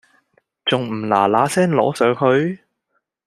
咁重唔嗱嗱聲攞上去？